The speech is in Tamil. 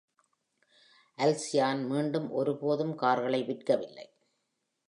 அல்சியான் மீண்டும் ஒருபோதும் கார்களை விற்கவில்லை.